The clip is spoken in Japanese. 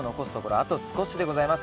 あと少しでございます。